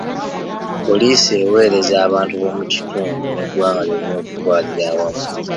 Poliisi eweereza abantu b'omu kitundu n'eggwanga lyonna okutwalira awamu.